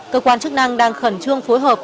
cơ quan chức năng đang khẩn trương phối hợp